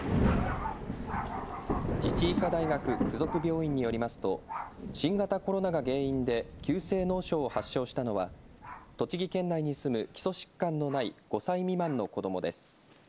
自治医科大学附属病院によりますと新型コロナが原因で急性脳症を発症したのは栃木県内に住む基礎疾患のない５歳未満の子どもです。